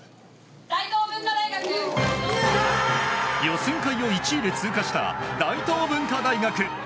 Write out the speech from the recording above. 予選会を１位で通過した大東文化大学。